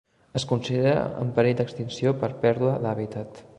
Es considera en perill d'extinció per pèrdua d'hàbitat.